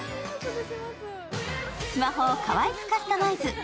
スマホをかわいくカスタマイズ。